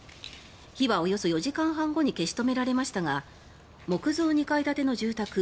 火はおよそ４時間半後に消し止められましたが木造２階建ての住宅